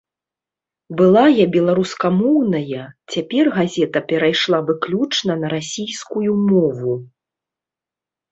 Былая беларускамоўная, цяпер газета перайшла выключна на расійскую мову.